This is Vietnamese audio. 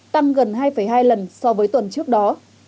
tăng gần hai hai lần so với tuần trước đó